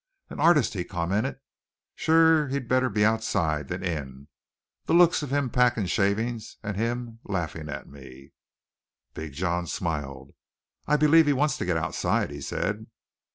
"An arrtist!" he commented. "Shewer he'd better be outside than in. The loikes of him packin' shavin's and him laughin' at me." Big John smiled. "I believe he wants to get outside," he said.